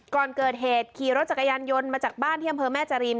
ก่อนเกิดเหตุขี่รถจักรยานยนต์มาจากบ้านที่อำเภอแม่จริม